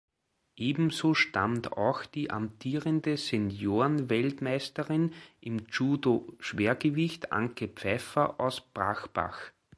Ebenso stammt auch die amtierende Senioren-Weltmeisterin im Judo-Schwergewicht Anke Pfeifer aus Brachbach.